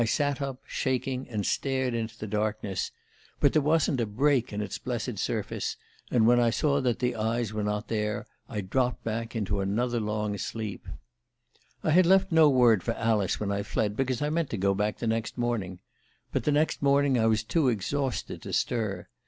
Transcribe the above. I sat up, shaking, and stared into the darkness; but there wasn't a break in its blessed surface, and when I saw that the eyes were not there I dropped back into another long sleep. "I had left no word for Alice when I fled, because I meant to go back the next morning. But the next morning I was too exhausted to stir.